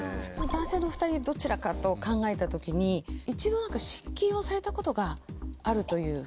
男性の２人どちらかと考えた時に。をされたことがあるという。